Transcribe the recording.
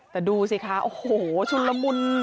แต่ดูสิคะโอ้โหชุนละมุน